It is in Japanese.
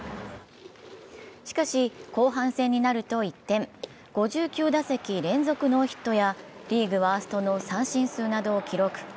しかし後半戦になると一転、５９打席連続ノーヒットやリーグワーストの三振数などを記録。